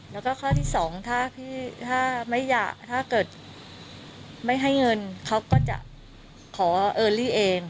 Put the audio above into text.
แล้วก็ข้อที่สองถ้าพี่ถ้าไม่อยากถ้าเกิดไม่ให้เงินเขาก็จะขอเออรี่เอง